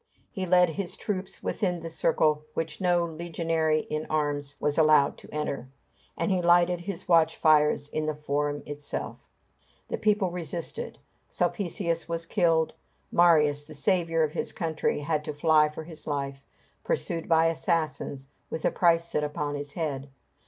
He led his troops within the circle which no legionary in arms was allowed to enter, and he lighted his watch fires in the Forum itself. The people resisted; Sulpicius was killed; Marius, the saviour of his country, had to fly for his life, pursued by assassins, with a price set upon his head.